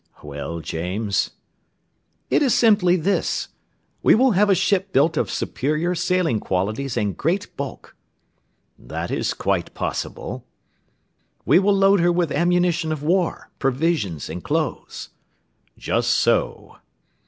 "Well, James?" "It is simply this: we will have a ship built of superior sailing qualities and great bulk." "That is quite possible." "We will load her with ammunition of war, provisions, and clothes." "Just so."